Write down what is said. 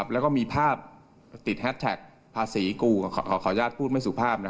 แล้วก็มีภาพติดแฮชแท็กภาษีกูขออนุญาตพูดไม่สุภาพ